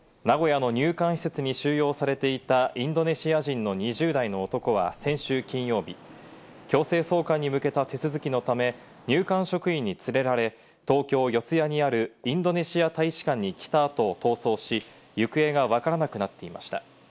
名古屋の入管施設に収容されていたインドネシア人の２０代の男は先週金曜日、強制送還に向けた手続きのため、入管職員に連れられ、東京・四谷にあるインドネシア大使館に来た後、逃走し、行方がわからなくなっていました。